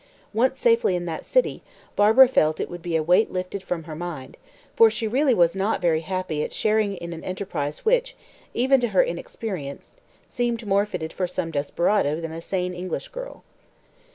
Once safely in that city, Barbara felt it would be a weight lifted from her mind, for she really was not very happy at sharing in an enterprise which, even to her inexperience, seemed more fitted for some desperado than a sane English girl.